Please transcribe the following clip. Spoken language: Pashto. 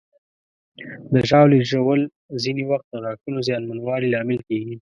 د ژاولې ژوول ځینې وخت د غاښونو زیانمنوالي لامل کېږي.